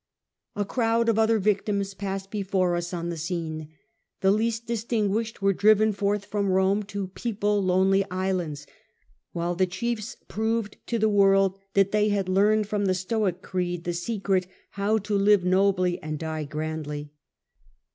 A crowd of other victims pass before us on the scene. The least distinguished were driven forth from Rome to people lonely islands, while the chiefs proved other to the world that they had learned from the victims, Stoic creed the secret how to live nobly and die grandly.